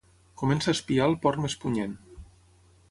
Comença a espiar el porc més punyent.